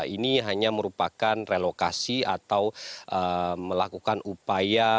ini hanya merupakan relokasi atau melakukan upaya